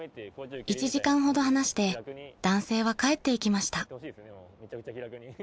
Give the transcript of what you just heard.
［１時間ほど話して男性は帰っていきました］